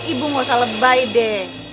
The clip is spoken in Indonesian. ibu nggak usah lebay deh